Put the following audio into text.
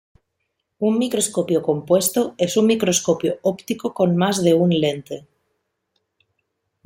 Un microscopio compuesto es un microscopio óptico con más de un lente.